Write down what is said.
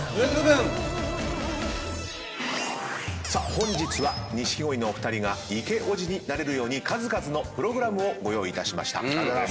本日は錦鯉のお二人がイケおじになれるように数々のプログラムをご用意いたしました。